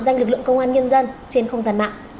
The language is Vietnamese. danh lực lượng công an nhân dân trên không gian mạng